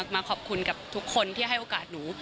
มาขอบคุณกับทุกคนที่ให้โอกาสหนู